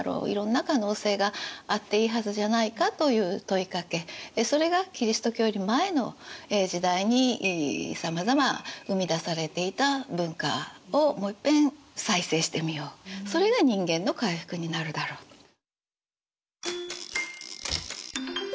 いろんな可能性があっていいはずじゃないかという問いかけそれがキリスト教より前の時代にさまざま生み出されていた文化をもういっぺん再生してみようそれが人間の回復になるだろうと。